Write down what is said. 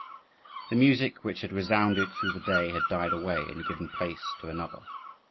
The music which had resounded through the day had died away, and given place to another.